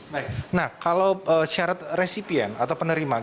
baik nah kalau syarat resipien atau penerimaan